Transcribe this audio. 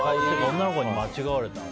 女の子に間違われたんだ。